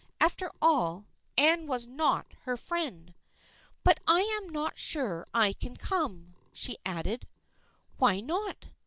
After all, Anne was not her friend !" But I am not sure I can come," she added. "Why not?